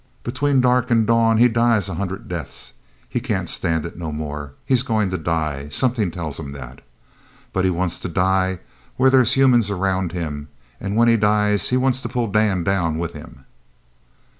Between dark and dawn he dies a hundred deaths. He can't stand it no more. He's goin' to die. Somethin' tells him that. But he wants to die where they's humans around him, and when he dies he wants to pull Dan down with him."